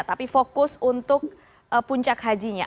tapi fokus untuk puncak hajinya